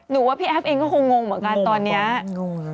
หนูว่าพี่แอฟเองก็คงงงเหมือนกันตอนนี้